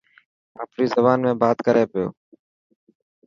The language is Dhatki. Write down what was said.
آپري زبان ۾ بات ڪري پيو.